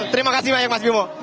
terima kasih banyak mas bimo